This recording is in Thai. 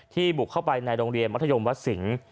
บุกเข้าไปในโรงเรียนมัธยมวัดสิงศ์